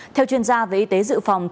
theo chuyên gia về y tế dự phòng